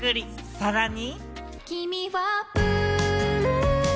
さらに。